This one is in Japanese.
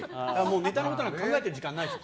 ネタのことなんか考えてる時間ないです。